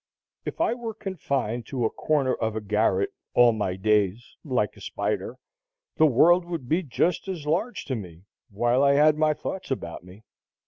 If I were confined to a corner of a garret all my days, like a spider, the world would be just as large to me while I had my thoughts about me.